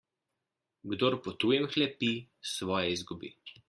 Kdor po tujem hlepi, svoje izgubi.